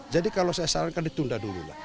jadi kalau saya sarankan ditunda dulu lah